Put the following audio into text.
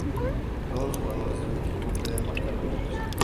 Todos los jugadores de un equipo pueden marcar puntos.